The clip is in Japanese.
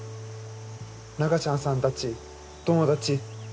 ナカちゃんさんたち友達。